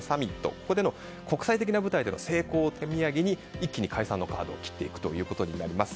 ここでの国際的な舞台での成功を手土産に一気に解散のカードを切っていくということになります。